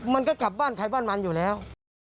มันก็กลับบ้านใครบ้านมันอยู่แล้ว